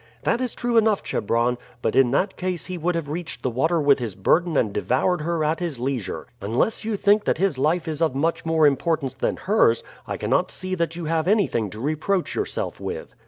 "That is true enough, Chebron; but in that case he would have reached the water with his burden and devoured her at his leisure. Unless you think that his life is of much more importance than hers, I cannot see that you have anything to reproach yourself with."